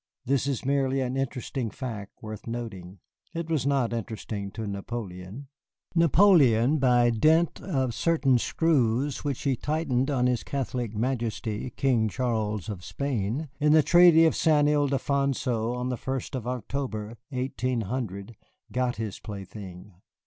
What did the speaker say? This is merely an interesting fact worth noting. It was not interesting to Napoleon. Napoleon, by dint of certain screws which he tightened on his Catholic Majesty, King Charles of Spain, in the Treaty of San Ildefonso on the 1st of October, 1800, got his plaything.